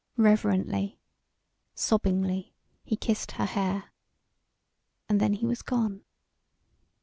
Reverently, sobbingly, he kissed her hair. And then he was gone.